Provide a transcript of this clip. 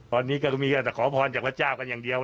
ตอนนี้ก็ต้องมีการแต่ขอพรจากพระเจ้ากันอย่างเดียว